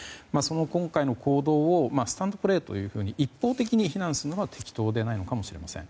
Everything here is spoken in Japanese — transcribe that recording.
今回の行動をスタンプレーだというふうに一方的に非難するのは適当ではないのかもしれません。